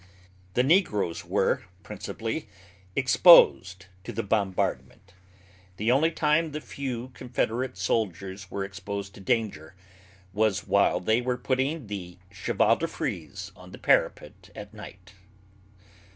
The negroes were principally exposed to the bombardment. The only time the few Confederate soldiers were exposed to danger was while they were putting the Chevaldefrise on the parapet at night.